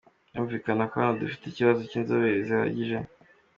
Birumvikana ko hano dufite ikibazo cy’inzobere zihagije.